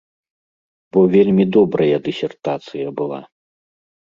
Бо вельмі добрая дысертацыя была.